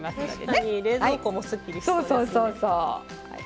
確かに冷蔵庫もすっきりしそうですね。